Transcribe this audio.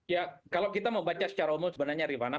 ya kalau kita mau baca secara umum sebenarnya rifana